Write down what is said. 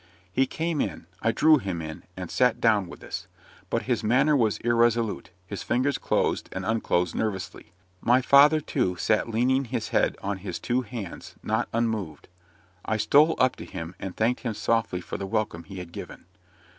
He came in I drew him in and sat down with us. But his manner was irresolute, his fingers closed and unclosed nervously. My father, too, sat leaning his head on his two hands, not unmoved. I stole up to him, and thanked him softly for the welcome he had given.